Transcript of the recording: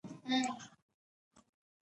موږ باید یوازې د هغو شیانو تعظیم وکړو